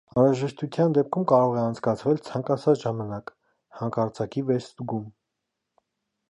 Անհրաժեշտության դեպքում կարող է անցկացվել ցանկացած ժամանակ (հանկարծակի վերստուգում)։